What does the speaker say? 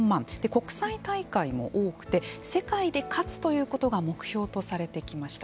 国際大会も多くて世界で勝つということが目標とされてきました。